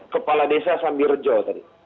kepala desa sambirjo tadi